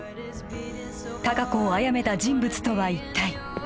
隆子をあやめた人物とは一体？